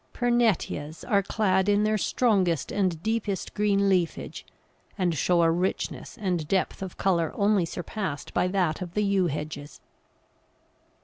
Pernettyas are clad in their strongest and deepest green leafage, and show a richness and depth of colour only surpassed by that of the yew hedges.